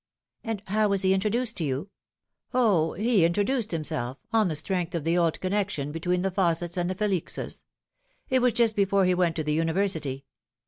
K And how was he introduced to you ?"" O, he introduced himself, on the strength of the old con nection between the Faussets and the Felixes. It was just be fore he went to the University.